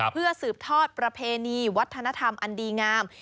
เพื่อสืบทอดประเพณีวัฒนธรรมอันดีงาม